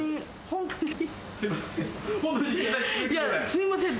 すみません。